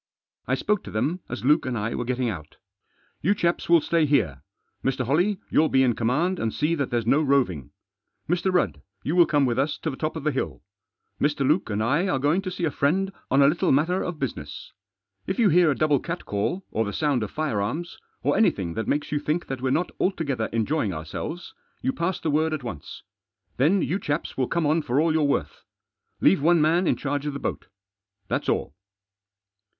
I spoke to them as Luke and I were getting out. " You chaps will stay here. Mr. Holley, you'll be in command and see that there's no roving. Mr. Rudd, you will come with us to the top of the hill. Mr. Luke and I are going to see a friend on a little matter of business. If you hear a double catcall, or the sound of firearms, or anything that makes you think that we're not altogether enjoying ourselves, you pass the word at once. Then you chaps will come on for all you're worth. Leave one man in charge of the boat ; that's all."